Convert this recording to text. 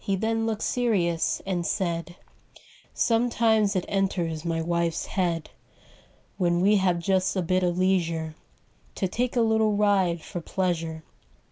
then looked serious and said :— 1897. Copyrighted, Xf^OMETIMES it enters my wife's head, When we have just a bit of leisure, To take a little ride for pleasure.